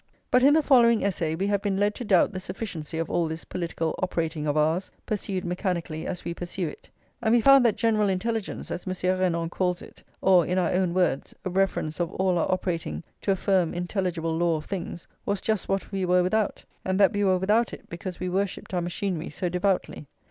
But, in the following essay, we have been led to doubt the sufficiency of all this political operating of ours, pursued mechanically as we pursue it; and we found that general intelligence, as Monsieur Renan calls it, or, in our own words, a reference of all our operating to a firm intelligible law of things, was just what we were without, and that we were without it because we worshipped our machinery [xxx] so devoutly.